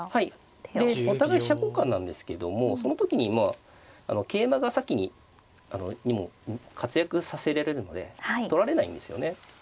でお互い飛車交換なんですけどもその時にまあ桂馬が先にも活躍させられるので取られないんですよね。